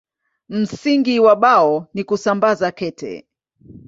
Msingi wa Bao ni kusambaza kete.